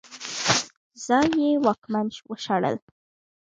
ځايي واکمنان وشړل.